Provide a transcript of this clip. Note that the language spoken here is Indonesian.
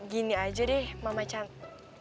gini aja deh mama cantik